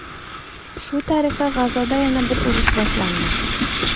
Shu tariqa g‘azoda yana bir urush boshlandi.